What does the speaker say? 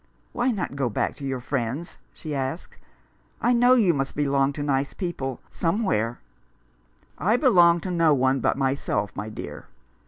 " Why not go back to your friends ?" she asked. " I know you must belong to nice people — some where." " I belong to no one but myself, my dear.